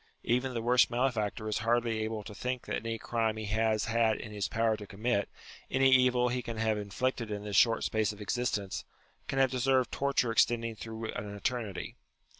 Even the worst malefactor is hardly able to think that any crime he has had it in his power to commit, any evil he can have inflicted in this short space of existence, can have deserved torture extending through an eternity.